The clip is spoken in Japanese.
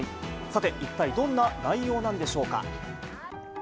さて、一体どんな内容なんでしょうか。